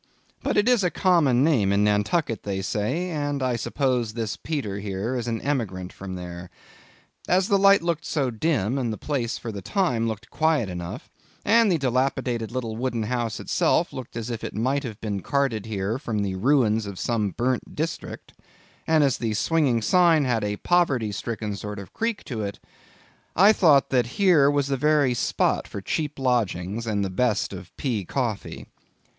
But it is a common name in Nantucket, they say, and I suppose this Peter here is an emigrant from there. As the light looked so dim, and the place, for the time, looked quiet enough, and the dilapidated little wooden house itself looked as if it might have been carted here from the ruins of some burnt district, and as the swinging sign had a poverty stricken sort of creak to it, I thought that here was the very spot for cheap lodgings, and the best of pea coffee.